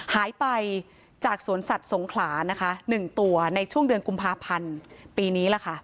หายไปจากสวนสัตว์สงขลานะคะ๑ตัวในช่วงเดือนกุมภาพันธ์ปีนี้ล่ะค่ะ